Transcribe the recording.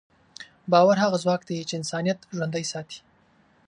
باور هغه ځواک دی چې انسانیت ژوندی ساتي.